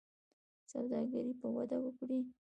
سوداګري به وده وکړي.